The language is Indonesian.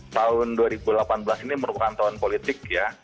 tahun dua ribu delapan belas ini merupakan tahun politik ya